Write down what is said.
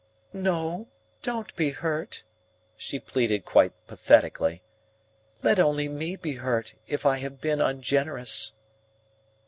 "No, don't be hurt," she pleaded quite pathetically; "let only me be hurt, if I have been ungenerous."